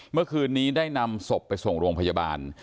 เมื่อคืนนี้ได้นำศพไปส่งโรงพยาบาล